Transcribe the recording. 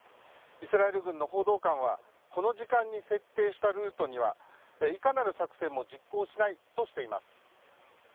イスラエル軍の報道官はこの時間に設定したルートにはいかなる作戦も実行しないとしています。